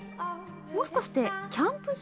もしかしてキャンプ場？